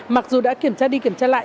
mặc dù đã kiểm tra đi kiểm tra lại